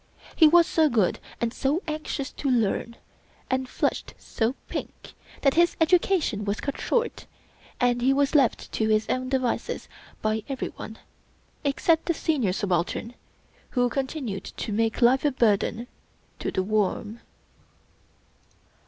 He was so good and so anxious to learn, and flushed so pink, that his education was cut short, and he was left to his own devices by every one except the Senior Subaltern who continued to make life a burden to The Worm.